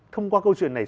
thông qua câu chuyện này